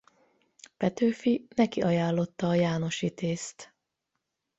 Petőfi neki ajánlotta a János Vitézt.